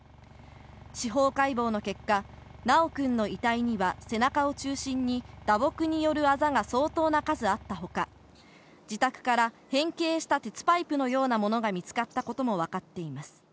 司法解剖の結果、修くんの遺体には、背中を中心に打撲によるあざが相当な数あったほか、自宅から変形した鉄パイプのようなものが見つかったことも分かっています。